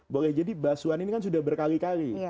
boleh jadi basuan ini kan sudah berkali kali